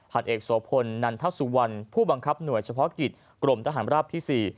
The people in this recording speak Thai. เอกโสพลนันทสุวรรณผู้บังคับหน่วยเฉพาะกิจกรมทหารราบที่๔